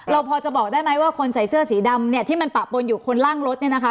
เราพอจะบอกได้ไหมว่าคนใส่เสื้อสีดำเนี่ยที่มันปะปนอยู่คนล่างรถเนี่ยนะคะ